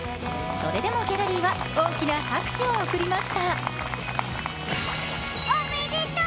それでもギャラリーは大きな拍手を送りました。